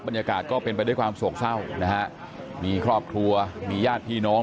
บรรยากาศก็เป็นไปด้วยความโศกเศร้านะฮะมีครอบครัวมีญาติพี่น้อง